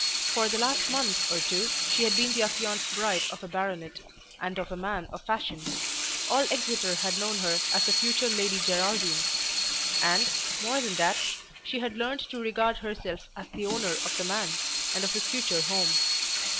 For the last month or two she had been the affianced bride of a baronet, and of a man of fashion. All Exeter had known her as the future Lady Geraldine. And, more than that, she had learned to regard herself as the owner of the man, and of his future home.